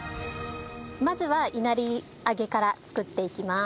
まずは稲荷揚げから作っていきます。